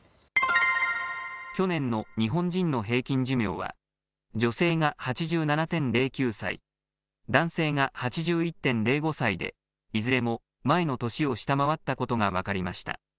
去年の日本人の平均寿命は女性が８７．０９歳、男性が８１．０５歳でいずれも前の年を下回ったことが分かりました。